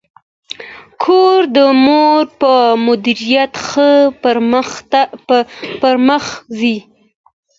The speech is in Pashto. کور د مور په مدیریت ښه پرمخ ځي.